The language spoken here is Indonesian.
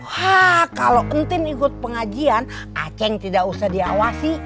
hah kalau entin ikut pengajian aceng tidak usah diawasi